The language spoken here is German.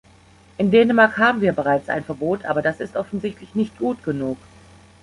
In Dänemark haben wir bereits ein Verbot, aber das ist offensichtlich nicht gut genug.